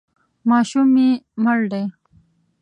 ماشوم مې مړ دی.